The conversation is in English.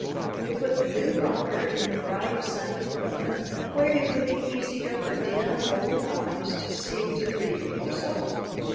We put the new rocker in the bright, sunny corner, where it would be easier for dim old eyes to see to read or sew.